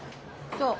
そう。